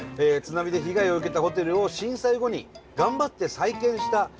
津波で被害を受けたホテルを震災後に頑張って再建した。